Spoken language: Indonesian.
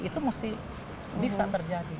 itu mesti bisa terjadi